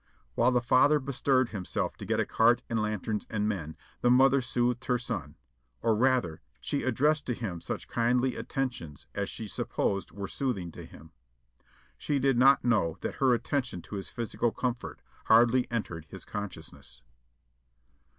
While the father bestirred himself to get a cart and lanterns and men, the mother soothed her son, or, rather, she addressed to him such kindly attentions as she supposed were soothing to him. She did not know that her attention to his physical comfort hardly entered his consciousness.